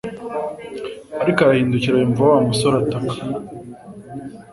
ariko arahindukira yumva Wa musore ataka